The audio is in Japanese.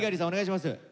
お願いします。